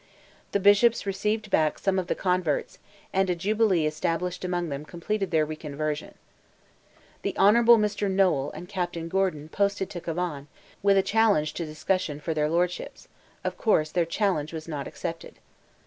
The bishops received back some of the converts, and a jubilee established among them completed their reconversion. The Hon. Mr. Noel and Captain Gordon posted to Cavan, with a challenge to discussion for their lordships; of course, their challenge was not accepted.